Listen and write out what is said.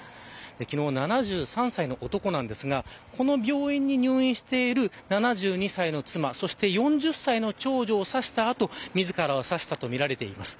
昨日、７３歳の男なんですがこの病院に入院している７２歳の妻そして、４０歳の長女を刺した後自らを刺したとみられています。